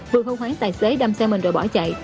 vừa hô hoáng tài xế đâm xe mình rồi bỏ chạy